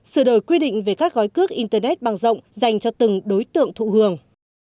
sửa đổi quy định về các gói cước internet bằng rộng dành cho từng đối tượng thụ hưởng